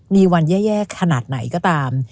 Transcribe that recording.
มีวันแย่ขนาดไหนก็ตาม